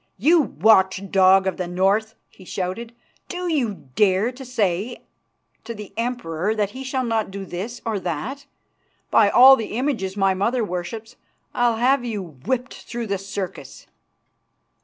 "You watch dog of the North!" he shouted. "Do you dare to say to the Emperor that he shall not do this or that? By all the images my mother worships I'll have you whipped through the Circus."